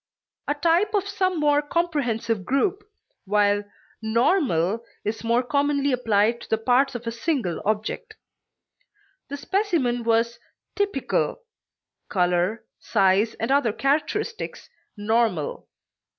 a type of some more comprehensive group, while normal is more commonly applied to the parts of a single object; the specimen was typical; color, size, and other characteristics, normal.